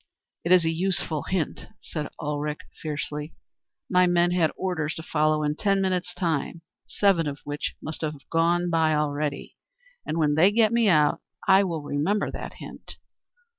"It is a useful hint," said Ulrich fiercely. "My men had orders to follow in ten minutes time, seven of which must have gone by already, and when they get me out—I will remember the hint.